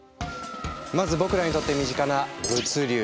まず僕らにとって身近な物流！